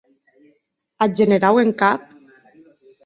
Ath generau en cap?